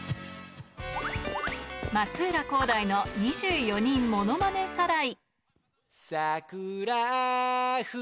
松浦航大の２４人ものまねサライ。